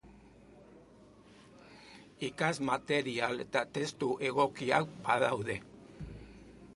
Ikasmaterial eta testu egokiak badaude.